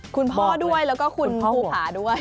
คุณพ่อด้วยแล้วก็คุณภูผาด้วย